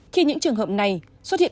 khi những trường hợp này xuất hiện